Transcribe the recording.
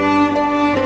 ibu kenapa menangis